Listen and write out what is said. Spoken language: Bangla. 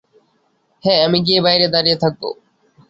হ্যাঁ আমি গিয়ে বাইরে দাঁড়িয়ে থাকবো।